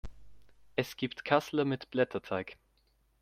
Es gibt Kassler mit Blätterteig.